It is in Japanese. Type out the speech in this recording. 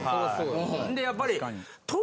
ほんでやっぱり。